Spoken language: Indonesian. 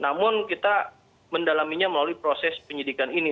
namun kita mendalaminya melalui proses penyidikan ini